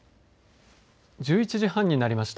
１１時半になりました。